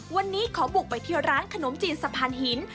วันนี้ขอบุกไปเที่ยวร้านขนมจีนสะพานหิน